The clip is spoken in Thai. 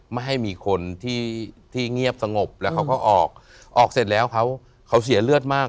ไม่ให้มีคนที่ที่เงียบสงบแล้วเขาก็ออกออกเสร็จแล้วเขาเขาเสียเลือดมาก